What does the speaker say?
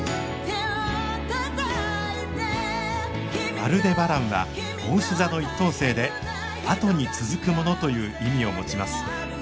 アルデバランはおうし座の１等星で「後に続くもの」という意味を持ちます。